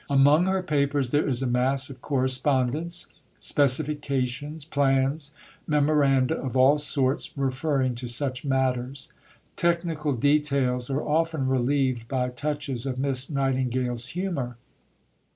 Among her papers there is a mass of correspondence, specifications, plans, memoranda of all sorts, referring to such matters. Technical details are often relieved by touches of Miss Nightingale's humour.